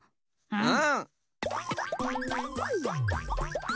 うん。